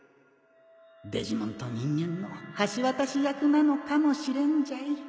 デジモンと人間の橋渡し役なのかもしれんじゃい